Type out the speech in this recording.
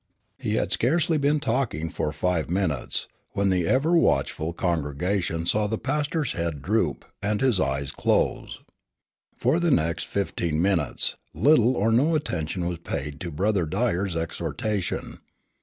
He had scarcely been talking for five minutes, when the ever watchful congregation saw the pastor's head droop, and his eyes close. For the next fifteen minutes, little or no attention was paid to Brother Dyer's exhortation.